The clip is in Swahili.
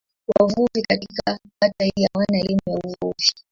Wavuvi katika kata hii hawana elimu ya uvuvi.